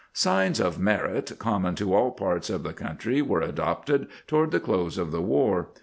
^ Signs of merit, common to all parts of the country, were adopted toward the close of the war.